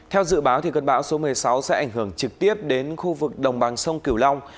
theo dự báo cơn bão số một mươi sáu sẽ ảnh hưởng trực tiếp đến khu vực đồng bằng sông cửu long